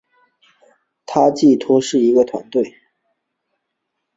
它寄托是一个团队